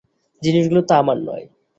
জিনিসগুলো তো আমার নয়।